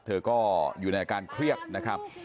เธอก็รับในการเคลียบนะครับ